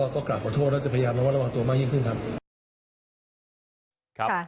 ก็กลับขอโทษแล้วจะพยายามระวัดระวังตัวมากยิ่งขึ้นครับ